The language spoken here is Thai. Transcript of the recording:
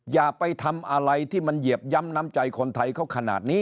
อย่าไปทำอะไรที่มันเหยียบย้ำน้ำใจคนไทยเขาขนาดนี้